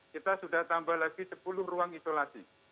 kita sudah tambah lagi sepuluh ruang isolasi